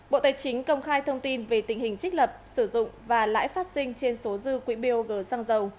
bộ tài chính công khai thông tin về tình hình trích lập sử dụng và lãi phát sinh trên số dư quỹ bog xăng dầu